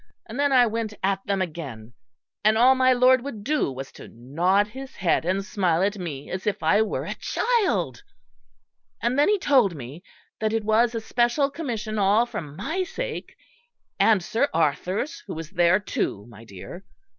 And then I went at them again; and all my Lord would do was to nod his head and smile at me as if I were a child; and then he told me that it was a special Commission all for my sake, and Sir Arthur's, who was there too, my dear....